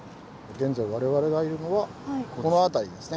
現在我々がいるのはこの辺りですね。